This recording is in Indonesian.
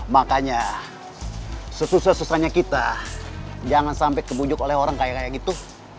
makanya sesusah susahnya kita jangan sampai kebujuk oleh orang kayak kayak gitu